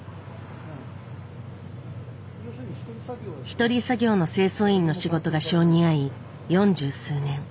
一人作業の清掃員の仕事が性に合い四十数年。